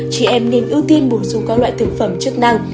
chị em nên ưu tiên bổ sung các loại thực phẩm chức năng